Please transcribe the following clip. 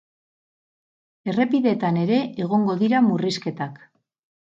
Errepideetan ere egongo dira murrizketak.